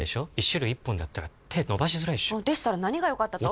１種類１本だったら手伸ばしづらいでしたら何がよかったと？